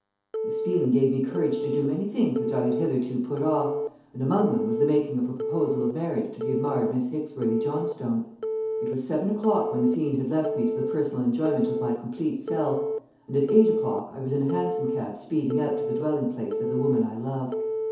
"This feeling gave me courage to do many things which I had hitherto put off, and among them was the making of a proposal of marriage to the admired Miss Hicksworthy Johnstone. It was seven o'clock when the fiend had left me to the personal enjoyment of my complete self, and at eight o'clock I was in a hansom cab speeding out to the dwelling place of the woman I loved.